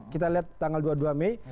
kita lihat tanggal dua puluh dua mei